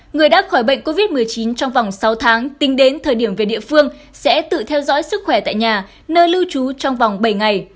người đã khỏi bệnh covid một mươi chín trong vòng sáu tháng tính đến thời điểm về địa phương sẽ tự theo dõi sức khỏe tại nhà nơi lưu trú trong vòng bảy ngày